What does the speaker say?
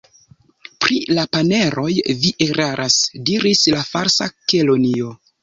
"Pri la paneroj vi eraras," diris la Falsa Kelonio.